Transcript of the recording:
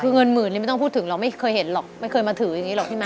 คือเงินหมื่นนี่ไม่ต้องพูดถึงหรอกไม่เคยเห็นหรอกไม่เคยมาถืออย่างนี้หรอกพี่ม